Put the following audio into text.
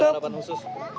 ada pendapat khusus